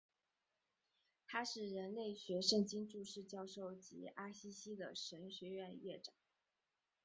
他是人类学圣经注释教授及阿西西的神学院院长。